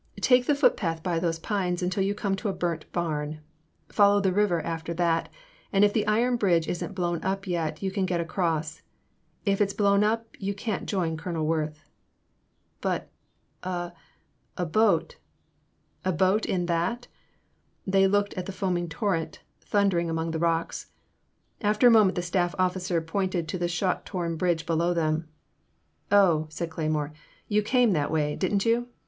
*''* Take the foot path by those pines until you come to a burnt barn. Follow the river after that and if the iron bridge is n't blown up yet you can get across; if it is blown up you can't join Colonel Worth. *' But— a— a boat '* A boat in that? They looked at the foaming torrent, thundering among the rocks. After a moment the staff officer pointed to the shot torn bridge below them. 0h, said Cleymore, '*you came that way, did n't you